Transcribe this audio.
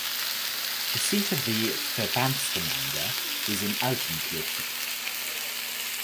The seat of the "Verbandsgemeinde" is in Altenkirchen.